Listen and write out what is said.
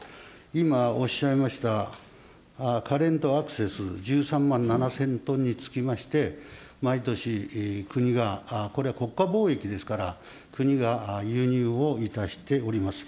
今おっしゃいましたカレントアクセス、１３万７０００トンにつきまして、毎年、国が、これは国家貿易ですから、国が輸入をいたしております。